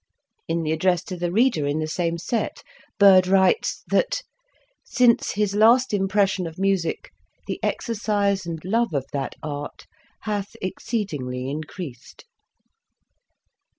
In the address to the reader in the same set, Byrd writes, that " since his last impression of music, the exercise and love of that art hath exceedingly increased."